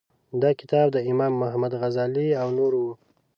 دا کتاب د امام محمد غزالي او نورو و.